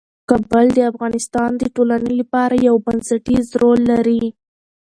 کابل د افغانستان د ټولنې لپاره یو بنسټيز رول لري.